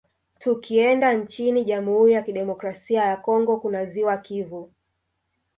Tukienda nchini Jamhuri ya Kidemokrasia ya Congo kuna ziwa Kivu